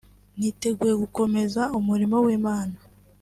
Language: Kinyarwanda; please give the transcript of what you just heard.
niteguye gukomeza umurimo w’Imana